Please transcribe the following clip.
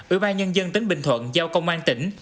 ủy ban nhân dân tỉnh bình thuận giao công an tỉnh